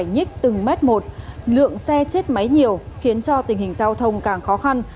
nhích từng mét một lượng xe chết máy nhiều khiến cho tình hình giao thông càng khó khăn